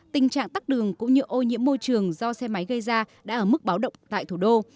tình trạng tắt đường cũng như ô nhiễm môi trường do xe máy gây ra đã ở mức báo động tại thủ đô